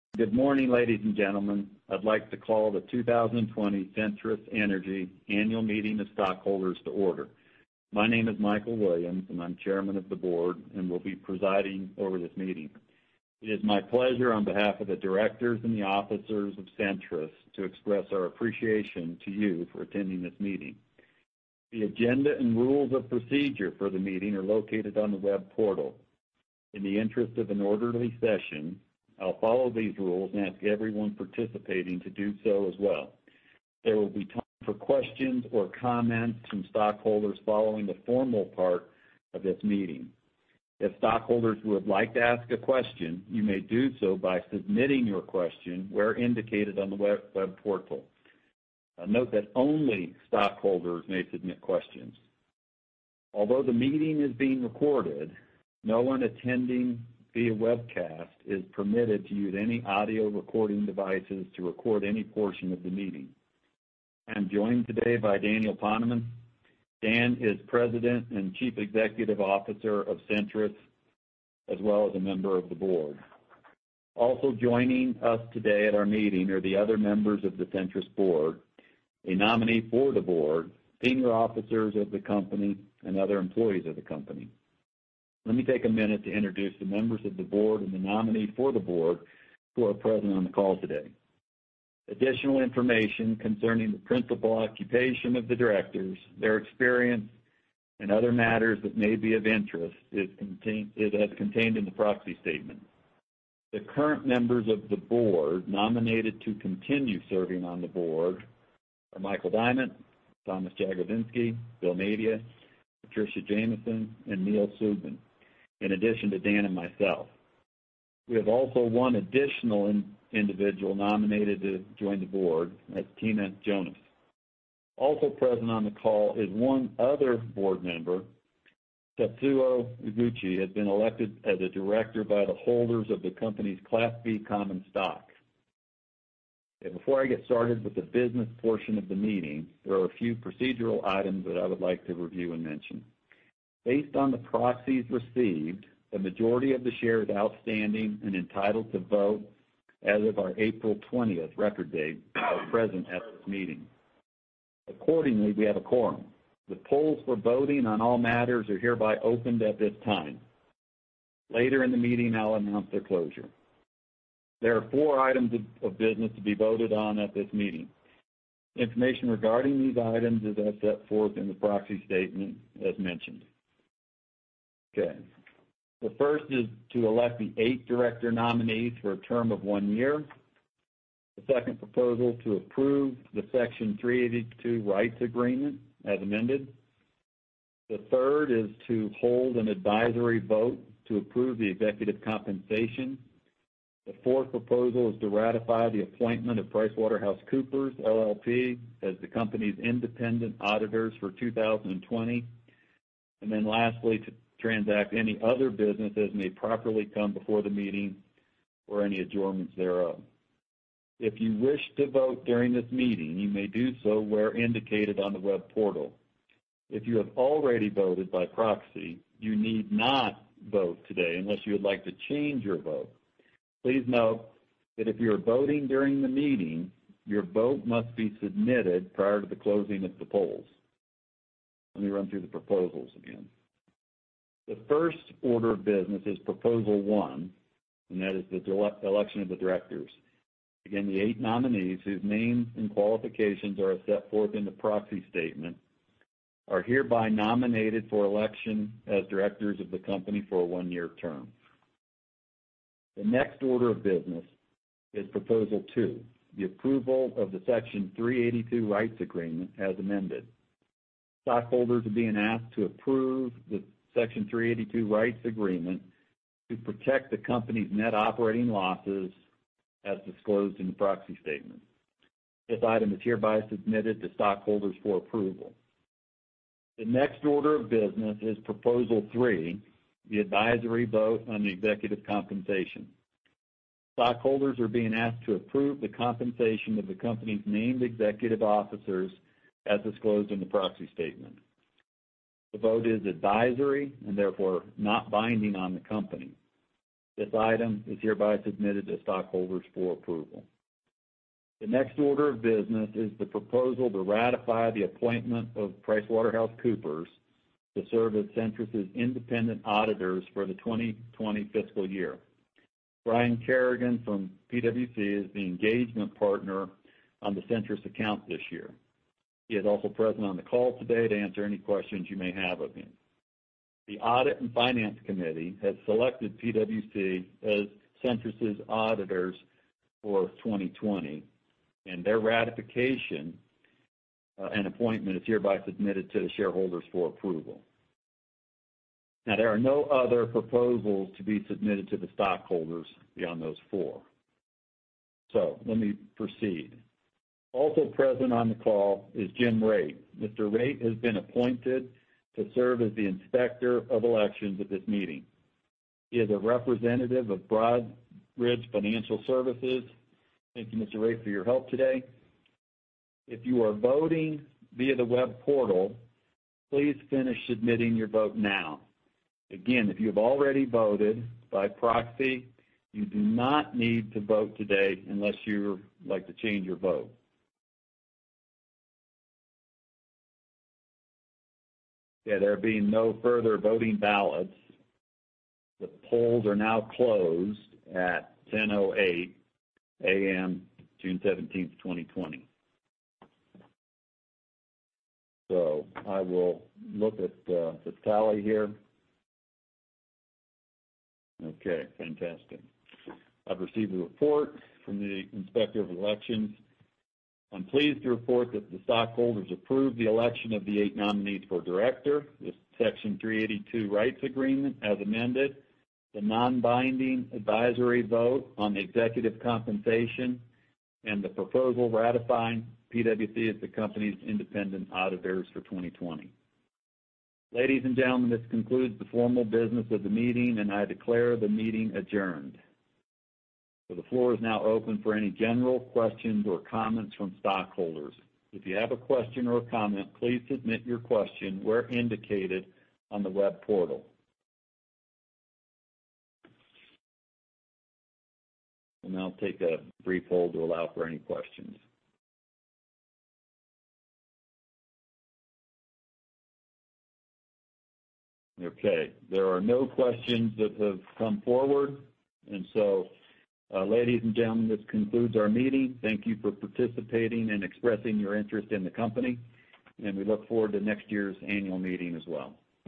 Good morning, ladies and gentlemen. I'd like to call the 2020 Centrus Energy Annual Meeting of Stockholders to order. My name is Mikel Williams, and I'm Chairman of the Board and will be presiding over this meeting. It is my pleasure, on behalf of the directors and the officers of Centrus, to express our appreciation to you for attending this meeting. The agenda and rules of procedure for the meeting are located on the web portal. In the interest of an orderly session, I'll follow these rules and ask everyone participating to do so as well. There will be time for questions or comments from stockholders following the formal part of this meeting. If stockholders would like to ask a question, you may do so by submitting your question where indicated on the web portal. Note that only stockholders may submit questions. Although the meeting is being recorded, no one attending via webcast is permitted to use any audio recording devices to record any portion of the meeting. I'm joined today by Daniel Poneman. Dan is President and Chief Executive Officer of Centrus, as well as a member of the board. Also joining us today at our meeting are the other members of the Centrus board, a Nominee for the Board, senior officers of the company, and other employees of the company. Let me take a minute to introduce the members of the board and the nominee for the board who are present on the call today. Additional information concerning the principal occupation of the directors, their experience, and other matters that may be of interest is as contained in the proxy statement. The current members of the board nominated to continue serving on the Board are Michael Diament, Thomas Jagodinski, Will Madia, Patricia Jamieson, and Neil Subin, in addition to Dan and myself. We have also one additional individual nominated to join the board, Tina Jonas. Also present on the call is one other board member, Tetsuo Iguchi, who has been elected as a director by the holders of the company's Class B Common Stock. Before I get started with the business portion of the meeting, there are a few procedural items that I would like to review and mention. Based on the proxies received, the majority of the shares outstanding and entitled to vote as of our April 20th record date are present at this meeting. Accordingly, we have a quorum. The polls for voting on all matters are hereby opened at this time. Later in the meeting, I'll announce their closure. There are four items of business to be voted on at this meeting. Information regarding these items is as set forth in the proxy statement as mentioned. Okay. The first is to elect the eight director nominees for a term of one year. The second Proposal is to approve the Section 382 Rights Agreement as amended. The third is to hold an advisory vote to approve the executive compensation. The fourth Proposal is to ratify the appointment of PricewaterhouseCoopers LLP as the company's independent auditors for 2020, and then lastly, to transact any other business as may properly come before the meeting or any adjournments thereof. If you wish to vote during this meeting, you may do so where indicated on the web portal. If you have already voted by proxy, you need not vote today unless you would like to change your vote. Please note that if you are voting during the meeting, your vote must be submitted prior to the closing of the polls. Let me run through the Proposals again. The first order of business is Proposal One, and that is the election of the directors. Again, the eight nominees whose names and qualifications are as set forth in the proxy statement are hereby nominated for election as directors of the company for a one-year term. The next order of business is Proposal Two, the approval of the Section 382 Rights Agreement as amended. Stockholders are being asked to approve the Section 382 Rights Agreement to protect the company's net operating losses as disclosed in the proxy statement. This item is hereby submitted to stockholders for approval. The next order of business is Proposal Three, the advisory vote on the executive compensation. Stockholders are being asked to approve the compensation of the company's named executive officers as disclosed in the proxy statement. The vote is advisory and therefore not binding on the company. This item is hereby submitted to stockholders for approval. The next order of business is the proposal to ratify the appointment of PricewaterhouseCoopers to serve as Centrus' independent auditors for the 2020 fiscal year. Brian Kerrigan from PwC is the engagement partner on the Centrus account this year. He is also present on the call today to answer any questions you may have of him. The Audit and Finance Committee has selected PwC as Centrus' auditors for 2020, and their ratification and appointment is hereby submitted to the shareholders for approval. Now, there are no other Proposals to be submitted to the stockholders beyond those four. So let me proceed. Also present on the call is Jim Raitt. Mr. Raitt has been appointed to serve as the inspector of elections at this meeting. He is a representative of Broadridge Financial Services. Thank you, Mr. Raitt, for your help today. If you are voting via the web portal, please finish submitting your vote now. Again, if you have already voted by proxy, you do not need to vote today unless you would like to change your vote. Okay, there being no further voting ballots. The polls are now closed at 10:08 A.M., June 17th, 2020. So I will look at this tally here. Okay, fantastic. I've received the report from the inspector of elections. I'm pleased to report that the stockholders approve the election of the eight nominees for director, the Section 382 Rights Agreement as amended, the non-binding advisory vote on the executive compensation, and the proposal ratifying PwC as the company's independent auditors for 2020. Ladies and gentlemen, this concludes the formal business of the meeting, and I declare the meeting adjourned. The floor is now open for any general questions or comments from stockholders. If you have a question or a comment, please submit your question where indicated on the web portal, and I'll take a brief hold to allow for any questions. Okay, there are no questions that have come forward, and so, ladies and gentlemen, this concludes our meeting. Thank you for participating and expressing your interest in the company, and we look forward to next year's annual meeting as well.